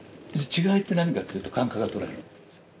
違いって何かっていうと感覚が捉える。